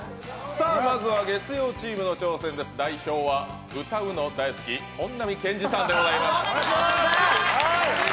まずは月曜チームの挑戦です、代表は歌うの大好き本並健治さんでございます。